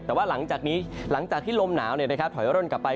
แต่ว่าหลังจากนี้หลังจากที่ลมหนาวถอยร่นกลับไป